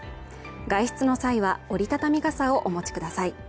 外出の際は折りたたみ傘をお持ちください。